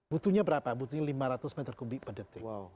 butuhnya berapa butuhnya lima ratus m tiga per detik